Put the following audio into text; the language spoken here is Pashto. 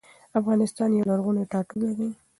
افغانستان يو لرغوني ټاټوبي دي